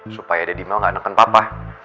supaya daddy mel gak neken papa